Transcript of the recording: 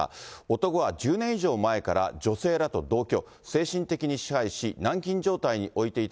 男は、１０年以上前から女性らと同居。